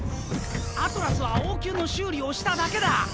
アトラスは応急の修理をしただけだ！